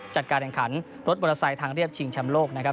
จัดการแข่งขันรถมอเตอร์ไซค์ทางเรียบชิงแชมป์โลกนะครับ